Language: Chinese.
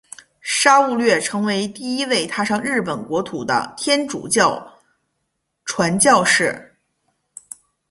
沙勿略成为第一位踏上日本国土的天主教传教士。